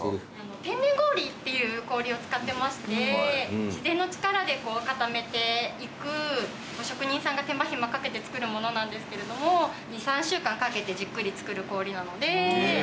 天然氷っていう氷を使ってまして自然の力で固めていく職人さんが手間暇かけて作るものなんですけれども２３週間かけてじっくり作る氷なので。